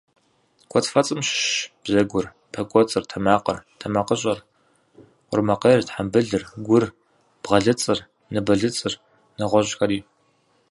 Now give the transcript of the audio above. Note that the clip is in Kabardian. Кӏуэцӏфэцӏым щыщщ бзэгур, пэ кӏуэцӏыр, тэмакъыр, тэмакъыщӏэр, къурмакъейр, тхьэмбылыр, гур, бгъэлыцӏыр, ныбэлыцӏыр, нэгъуэщӏхэри.